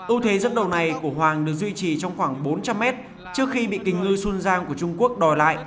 ưu thế dẫn đầu này của hoàng được duy trì trong khoảng bốn trăm linh mét trước khi bị kinh ngư xuân giang của trung quốc đòi lại